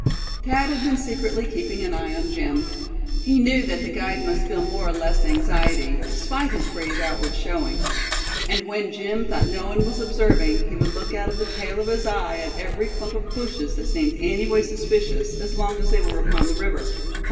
Thad had been secretly keeping an eye on Jim. He knew that the guide must feel more or less anxiety, despite his brave outward showing. And when Jim thought no one was observing he would look out of the tail of his eye at every clump of bushes that seemed any way suspicious, as long as they were upon the river.